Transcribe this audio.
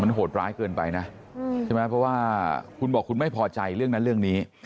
โหดร้ายเกินไปนะใช่ไหมเพราะว่าคุณบอกคุณไม่พอใจเรื่องนั้นเรื่องนี้